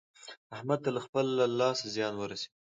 احمد ته له خپله لاسه زيان ورسېد.